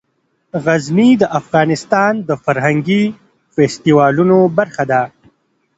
غزني د افغانستان د فرهنګي فستیوالونو برخه ده.